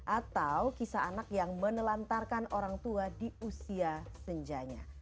atau kisah anak yang menelantarkan orang tua di usia senjanya